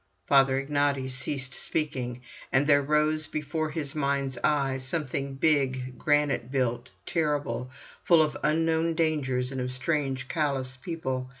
Father Ignaty ceased speaking, and there rose before his mind's eye something big, granite built, terrible, full of unknown dangers, and of strange callous people.